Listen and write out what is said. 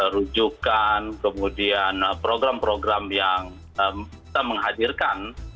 rujukan kemudian program program yang kita menghasilkan